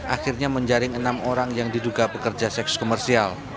akhirnya menjaring enam orang yang diduga pekerja seks komersial